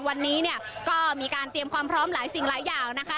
วันนี้เนี่ยก็มีการเตรียมความพร้อมหลายสิ่งหลายอย่างนะคะ